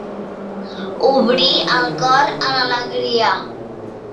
Obrir el cor a l'alegria.